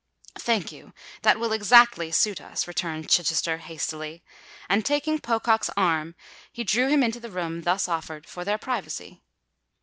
"Thank you—that will exactly suit us," returned Chichester, hastily: and, taking Pocock's arm, he drew him into the room thus offered for their privacy.